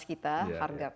jadi kita harus